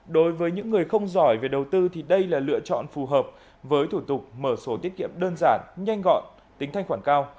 đối với những người không giỏi về đầu tư thì đây là lựa chọn phù hợp với thủ tục mở số tiết kiệm đơn giản nhanh gọn tính thanh khoản cao